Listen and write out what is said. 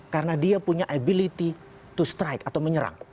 karena dia punya ability to strike atau menyerang